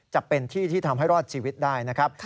จะเป็นที่ที่ทำให้รอดชีวิตได้นะครับ